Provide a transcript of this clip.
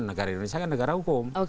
negara indonesia kan negara hukum